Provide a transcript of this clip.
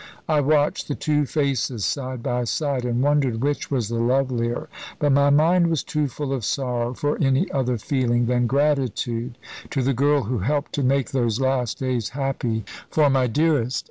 I watched the two faces side by side, and wondered which was the lovelier, but my mind was too full of sorrow for any other feeling than gratitude to the girl who helped to make those last days happy for my dearest.